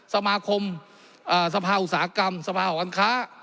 สมาคมสภาอุตสาหกรรมสภาหอการค้า